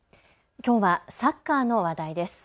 きょうはサッカーの話題です。